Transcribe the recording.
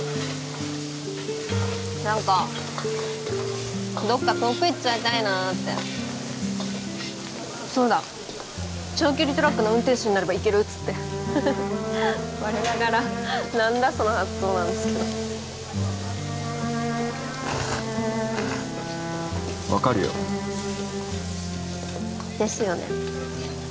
何かどっか遠くへ行っちゃいたいなってそうだ長距離トラックの運転手になれば行けるっつって我ながら何だその発想なんすけど分かるよですよね